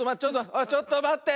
おいちょっとまって！